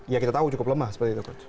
ya kita tahu cukup lemah seperti itu